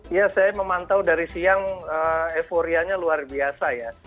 ya saya memantau dari siang euforianya luar biasa ya